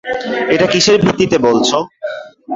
এটা কীসের ভিত্তিতে বলছো?